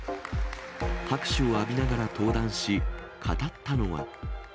拍手を浴びながら登壇し、語ったのは。